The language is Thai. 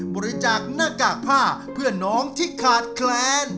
บริจาคหน้ากากผ้าเพื่อนน้องที่ขาดแคลน